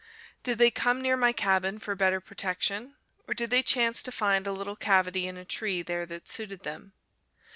Did they come near my cabin for better protection, or did they chance to find a little cavity in a tree there that suited them?